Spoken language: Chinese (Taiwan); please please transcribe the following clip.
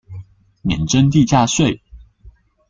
免徵地價稅